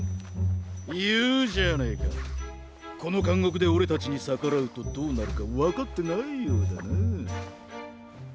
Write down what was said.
いうじゃねえかこのかんごくでオレたちにさからうとどうなるかわかってないようだな。